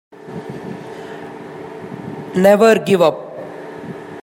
Never give up.